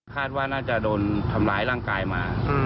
คาดว่าน่าจะโดนทำร้ายร่างกายมา